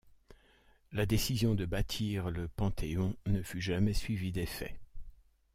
La décision de bâtir le Panthéon ne fut jamais suivie d'effet.